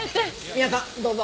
ミアさんどうぞ。